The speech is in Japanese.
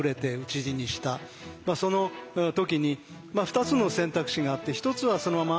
その時に２つの選択肢があって一つはそのまま